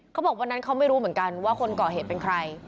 เขาบอกวันนั้นเขาไม่รู้เหมือนกันว่าคนก่อเหตุเป็นใคร